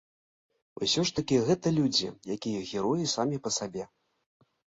Усё ж такі гэта людзі, якія героі самі па сабе.